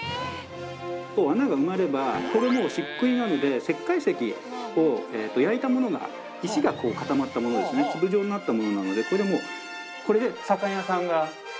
穴が埋まればこれ漆喰なので石灰石を焼いたもの石が固まったものですね粒状になったものなのでこれで左官屋さんがやったように分かんなくなる。